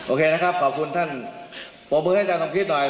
โอเคนะครับขอบคุณท่านปรบมือให้อาจารย์สมคิดหน่อย